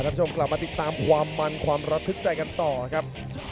คุณผู้ชมกลับมาติดตามความมันความระทึกใจกันต่อครับ